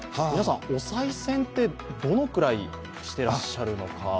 皆さん、おさい銭ってどのくらいしてらっしゃるのか。